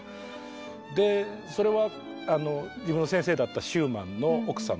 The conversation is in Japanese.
でそれは自分の先生だったシューマンの奥さん